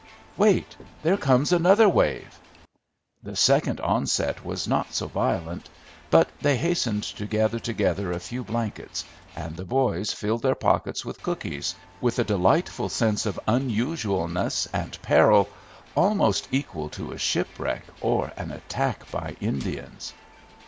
"Wait. There comes another wave." The second onset was not so violent; but they hastened to gather together a few blankets, and the boys filled their pockets with cookies, with a delightful sense of unusualness and peril almost equal to a shipwreck or an attack by Indians.